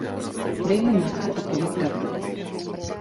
Dej mu masku a poví pravdu.